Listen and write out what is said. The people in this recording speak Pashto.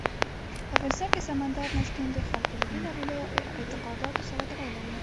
په افغانستان کې سمندر نه شتون د خلکو له بېلابېلو اعتقاداتو سره تړاو لري.